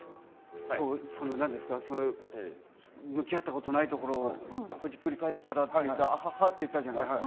向き合ったことないところをほじくり返すからって言ってアハハって言ったじゃないですか。